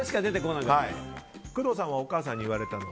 工藤さんはお母さんに言われたの？